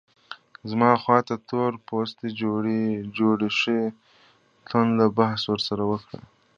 زما خواته تور پوستي جوړې ښه توند بحث ورسره وکړ.